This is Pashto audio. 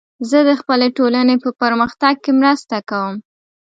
زه د خپلې ټولنې په پرمختګ کې مرسته کوم.